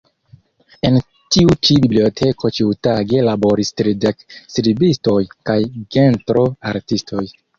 En tiu ĉi biblioteko ĉiutage laboris tridek skribistoj kaj gentro-artistoj.